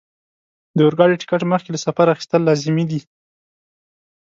د اورګاډي ټکټ مخکې له سفره اخیستل لازمي دي.